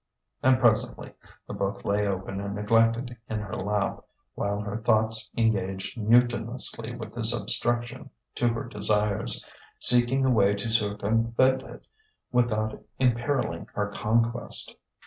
And presently the book lay open and neglected in her lap, while her thoughts engaged mutinously with this obstruction to her desires, seeking a way to circumvent it without imperilling her conquest.